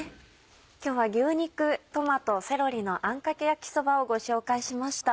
今日は「牛肉トマトセロリのあんかけ焼きそば」をご紹介しました。